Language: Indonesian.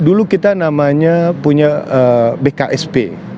dulu kita namanya punya bksp